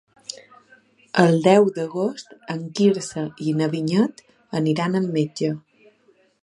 El deu d'agost en Quirze i na Vinyet aniran al metge.